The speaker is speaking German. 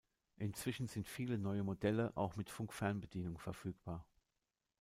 Inzwischen sind viele neue Modelle auch mit Funkfernbedienung verfügbar.